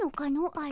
あれ。